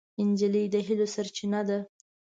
نجلۍ د هیلو سرچینه ده.